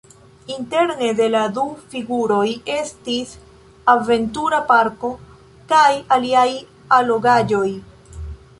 Interne de la du figuroj estis aventura parko kaj aliaj allogaĵoj.